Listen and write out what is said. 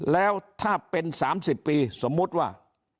แล้วถ้าเป็น๓๐ปีสมมุติว่า